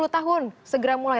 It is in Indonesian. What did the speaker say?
tiga puluh tahun segera mulai